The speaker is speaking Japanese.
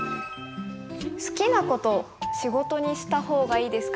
好きなことを仕事にした方がいいですか？